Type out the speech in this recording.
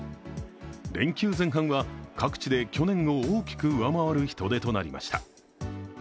連休前半は各地で去年を大きく上回る人出となりました。